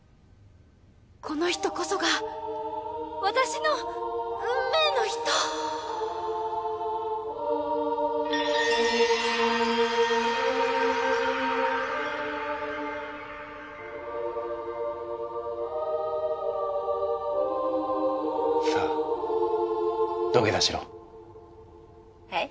この人こそが私の運命の人！？さあ土下座しろ！